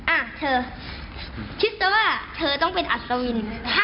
อ่ะเธอคิดซะว่าเธอต้องเป็นอัศวิน